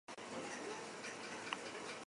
Gaur, izokina afalduko dut